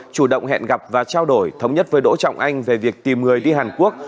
chủ động hẹn gặp và trao đổi thống nhất với đỗ trọng anh về việc tìm người đi hàn quốc